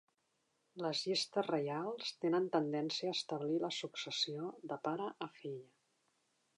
Les llistes reials tenen tendència a establir la successió de pare a fill.